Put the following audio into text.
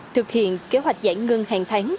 thực hiện kế hoạch giải ngân hàng tháng